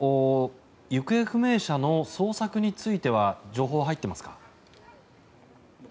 行方不明者の捜索については情報は入っていますか？